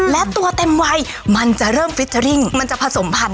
และตัวเต็มวัยมันจะเริ่มฟิเจอร์ริ่งมันจะผสมพันธ